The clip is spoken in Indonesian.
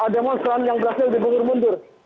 demonstran yang berhasil dibungkur mundur